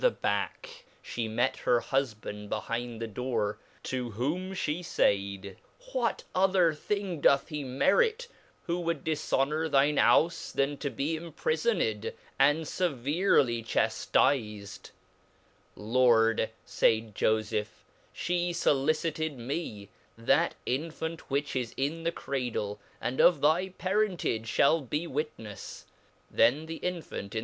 145 the back ; (he met her husband behind the door, to whom fhc faid, what other thing doth he merit, who would dirhonouc thine houfe, then to be imprifoned, and feverely chaftifcdPLord, faid /e/^/j^jrhe follicited me, that infant which i^Jn the cradle, and of thy parentage fhall be vvitnefs : Then the infant in.